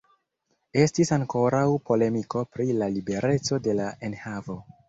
Estis ankoraŭ polemiko pri la libereco de la enhavo.